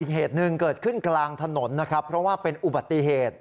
เหตุหนึ่งเกิดขึ้นกลางถนนนะครับเพราะว่าเป็นอุบัติเหตุ